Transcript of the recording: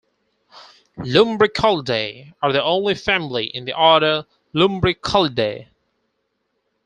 Lumbriculidae are the only family in the order Lumbriculida.